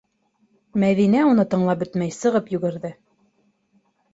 Мәҙинә, уны тыңлап бөтмәй, сығып йүгерҙе.